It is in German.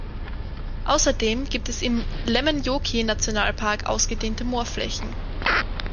Außerdem gibt es im Lemmenjoki-Nationalpark ausgedehnte Moorflächen.